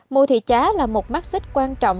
mua thị chá là một mắc xích quan trọng